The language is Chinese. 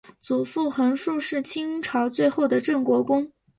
祖父恒煦是清朝最后的镇国公。